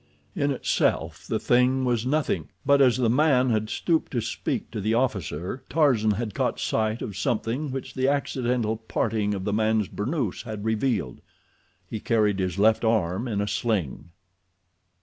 In itself the thing was nothing, but as the man had stooped to speak to the officer, Tarzan had caught sight of something which the accidental parting of the man's burnoose had revealed—he carried his left arm in a sling.